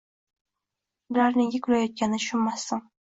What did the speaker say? Ular nega kulayotganini tushunmasdim.